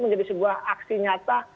menjadi sebuah aksi nyata